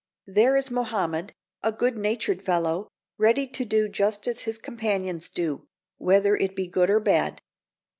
There is Mohammed, a good natured fellow, ready to do just as his companions do, whether it be good or bad.